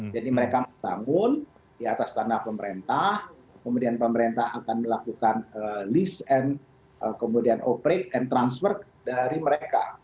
jadi mereka bertanggung di atas tanda pemerintah kemudian pemerintah akan melakukan lease and kemudian operate and transfer dari mereka